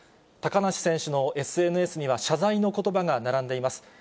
高梨選手のＳＮＳには謝罪のことばが並んでいます。